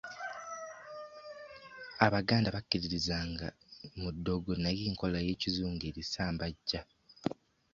Abaganda bakkiririzanga mu ddogo naye enkola y'ekizungu erisambajja.